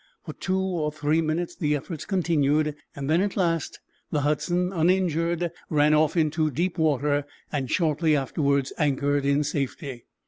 For two or three minutes the efforts continued. Then, at last, the "Hudson," uninjured, ran off into deep water and shortly afterwards anchored in safety.